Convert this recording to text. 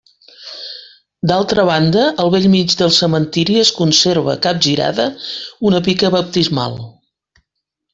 D'altra banda, al bell mig del cementiri es conserva, capgirada, una pica baptismal.